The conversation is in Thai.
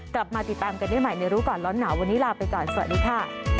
กลับมาติดตามกันได้ใหม่ในรู้ก่อนร้อนหนาววันนี้ลาไปก่อนสวัสดีค่ะ